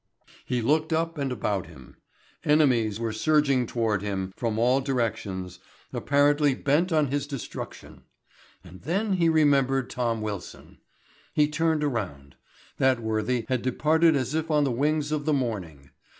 He looked up and about him. Enemies were surging toward him from all directions apparently bent on his destruction. And then he remembered Tom Wilson. He turned around. That worthy had departed as if on the wings of the morning.